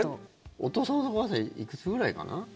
お父さん、お母さんいくつぐらいかな？